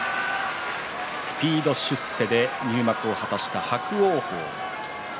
スピード出世で入幕を果たした伯桜鵬。